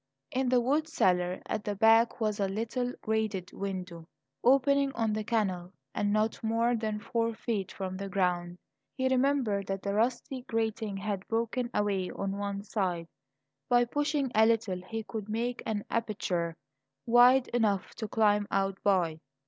In the wood cellar at the back was a little grated window, opening on the canal and not more than four feet from the ground. He remembered that the rusty grating had broken away on one side; by pushing a little he could make an aperture wide enough to climb out by.